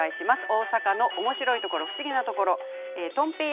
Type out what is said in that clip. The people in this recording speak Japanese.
大阪のおもしろいところ不思議なところ。